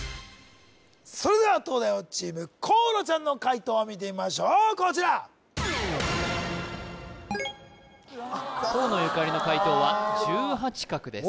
それでは東大王チーム河野ちゃんの解答を見てみましょうこちら河野ゆかりの解答は１８画です